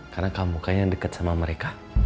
karena kamu kan yang deket sama mereka